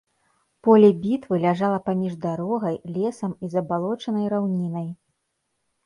Поле бітвы ляжала паміж дарогай, лесам і забалочанай раўнінай.